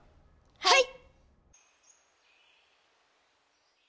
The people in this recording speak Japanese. はい！